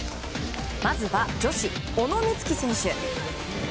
まずは女子、小野光希選手。